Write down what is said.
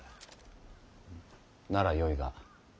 ならよいが。